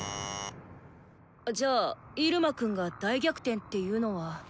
じゃあイルマくんが大逆転っていうのは。